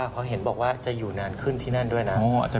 เพราะเห็นบอกว่าจะอยู่นานขึ้นที่นั่นด้วยนะ